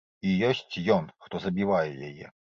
І ёсць ён, хто забівае яе.